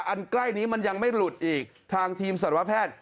ใกล้นี้มันยังไม่หลุดอีกทางทีมสัตวแพทย์